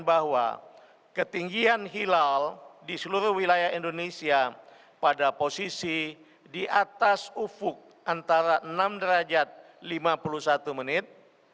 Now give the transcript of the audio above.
bahwa ketinggian hilal di seluruh wilayah indonesia pada posisi di atas ufuk antara enam derajat lima puluh satu menit